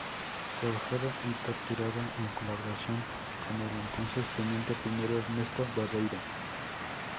Trabajaba y torturaba en colaboración con el entonces teniente primero Ernesto Barreiro.